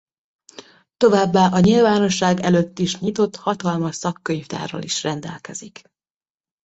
Továbbá a nyilvánosság előtt is nyitott hatalmas szakkönyvtárral is rendelkezik.